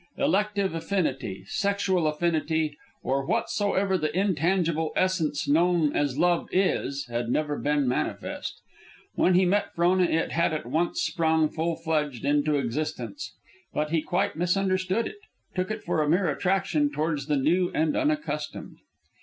Elective affinity, sexual affinity, or whatsoever the intangible essence known as love is, had never been manifest. When he met Frona it had at once sprung, full fledged, into existence. But he quite misunderstood it, took it for a mere attraction towards the new and unaccustomed.